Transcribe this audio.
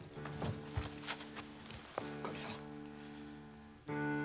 おかみさん。